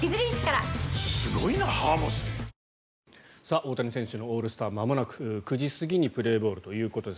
大谷選手のオールスターまもなく９時過ぎにプレーボールということです。